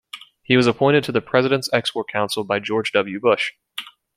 He was appointed to the President's Export Council by George W. Bush.